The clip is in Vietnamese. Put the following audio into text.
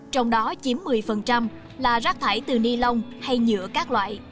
trong đó chiếm một mươi là rác thải từ ni lông hay nhựa các loại